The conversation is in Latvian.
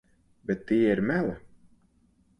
Bet tie ir meli.